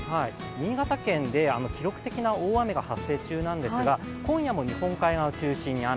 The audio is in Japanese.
新潟県で記録的な大雨が発生中なんですが今夜も日本海側を中心に雨。